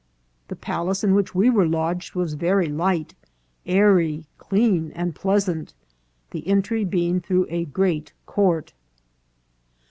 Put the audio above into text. " The palace in which we were lodged was very light, airy, clean, and pleasant, the entry being through a great court."